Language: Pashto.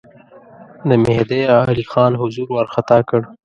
د مهدی علي خان حضور وارخطا کړ.